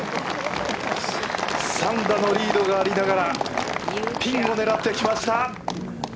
３打のリードがありながらピンを狙ってきました。